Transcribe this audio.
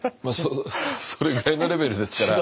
それぐらいのレベルですから。